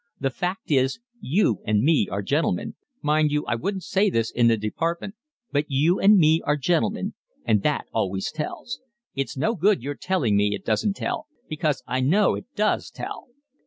The fact is, you and me are gentlemen, mind you I wouldn't say this in the department, but you and me are gentlemen, and that always tells. It's no good your telling me it doesn't tell, because I know it does tell."